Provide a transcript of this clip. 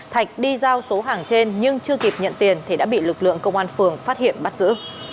thạch đi giao số hàng trên nhưng chưa kịp nhận tiền thì đã bị lực lượng công an phường phát hiện bắt giữ